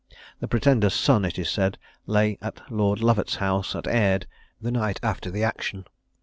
The Pretender's son, it is said, lay at Lord Lovat's house at Aird the night after the action.